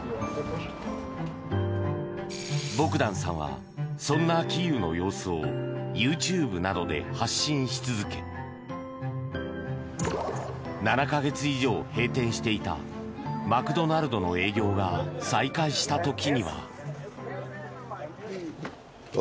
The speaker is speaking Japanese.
ボグダンさんはそんなキーウの様子をＹｏｕＴｕｂｅなどで発信し続け７か月以上閉店していたマクドナルドの営業が再開した時には。